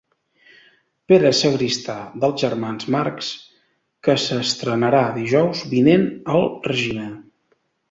Pere Sagristà dels germans Marx que s'estrenarà dijous vinent al Regina.